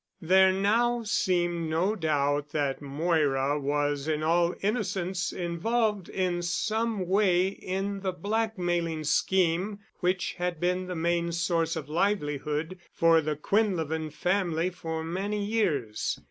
There now seemed no doubt that Moira was in all innocence involved in some way in the blackmailing scheme which had been the main source of livelihood for the Quinlevin family for many years.